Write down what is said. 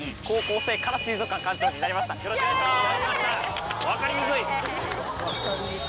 よろしくお願いします。